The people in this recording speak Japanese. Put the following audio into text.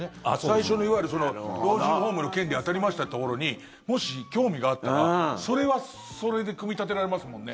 最初のいわゆる老人ホームの権利当たりましたってところにもし興味があったらそれはそれで組み立てられますもんね。